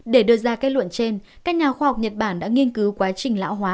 để đưa ra kết luận trên các nhà khoa học nhật bản đã nghiên cứu quá trình lão hóa